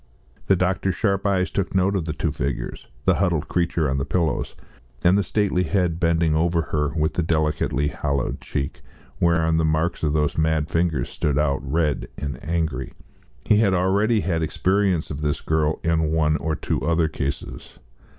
The doctor's sharp eyes took note of the two figures, the huddled creature on the pillows and the stately head bending over her, with the delicately hollowed cheek, whereon the marks of those mad fingers stood out red and angry. He had already had experience of this girl in one or two other cases.